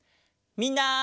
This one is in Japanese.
みんな。